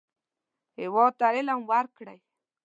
هېواد ته علم ورکړئ